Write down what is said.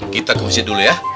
kita ke masjid dulu ya